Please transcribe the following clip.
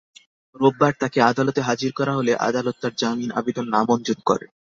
রোববার তাঁকে আদালতে হাজির করা হলে আদালত তাঁর জামিন আবেদন নামঞ্জুর করেন।